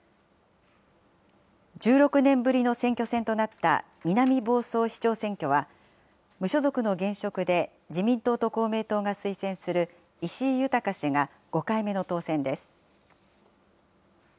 １６年ぶりの選挙戦となった、南房総市長選挙は、無所属の現職で、自民党と公明党が推薦する、石井裕氏が５回目の当選です。